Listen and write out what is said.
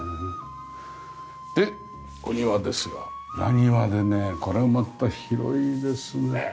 でお庭ですが裏庭でねこれまた広いですね。